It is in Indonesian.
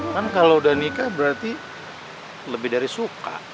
kan kalau udah nikah berarti lebih dari suka